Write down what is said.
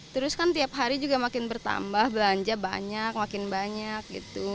terus kan tiap hari juga makin bertambah belanja banyak makin banyak gitu